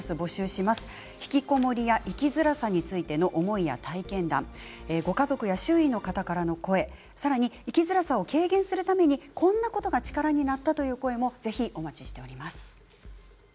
ひきこもりや生きづらさについての思いや体験談ご家族や周囲の方からの声、さらに生きづらさを軽減するためにこんなことが力になったという声もお待ちしています。